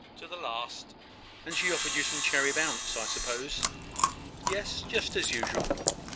"To the last! and she offered you some cherry bounce, I suppose." "Yes; just as usual.